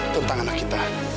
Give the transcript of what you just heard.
tentang anak kita